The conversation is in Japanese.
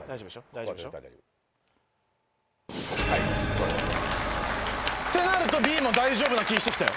大丈夫でしょ？ってなるとＢも大丈夫な気して来たよ。